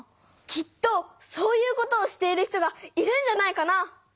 きっとそういうことをしている人がいるんじゃないかな？